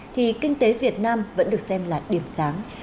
thì kinh tế việt nam vẫn được xem là điểm sáng